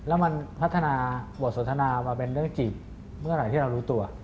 แล้วมันพัฒนาบทสนทนามาเป็นเรื่องจีบเมื่อไหร่ที่เรารู้ตัว